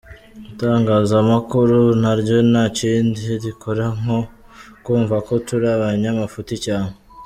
Itangazamakuru naryo ntakindi rikora nko kumva ko turi abanyamafuti cyane.